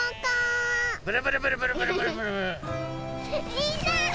みんな！